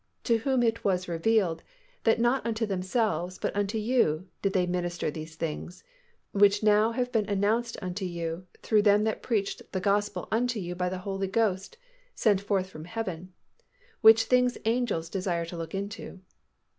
To whom it was revealed, that not unto themselves, but unto you, did they minister these things, which now have been announced unto you through them that preached the Gospel unto you by the Holy Ghost sent forth from heaven; which things angels desire to look into."